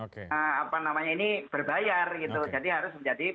kalau ini berbayar gitu